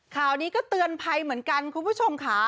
ข่าวนี้ก็เตือนภัยเหมือนกันคุณผู้ชมค่ะ